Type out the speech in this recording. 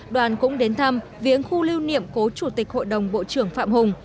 đoàn cũng đến thăm viếng khu lưu niệm cố chủ tịch hội đồng bộ trưởng phạm hùng